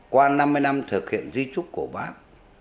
qua năm mươi năm thực hiện di trúc của bác